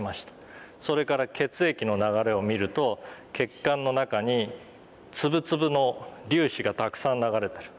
それから血液の流れを見ると血管の中に粒々の粒子がたくさん流れてる。